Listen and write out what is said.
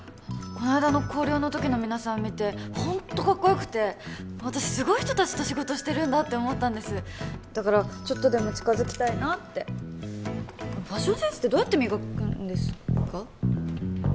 この間の校了のときの皆さん見てホントかっこよくて私すごい人達と仕事してるんだって思ったんですだからちょっとでも近づきたいなってファッションセンスってどうやって磨くんですか？